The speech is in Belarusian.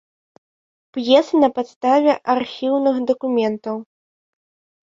П'еса на падставе архіўных дакументаў.